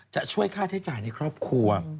จะช่วยค่าใช้จ่ายในครอบครัว